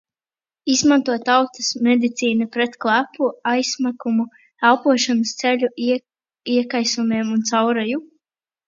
Izmanto tautas medicīnā pret klepu, aizsmakumu, elpošanas ceļu iekaisumiem un caureju.